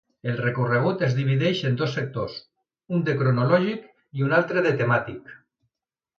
El recorregut es divideix en dos sectors, un de cronològic i un altre de temàtic.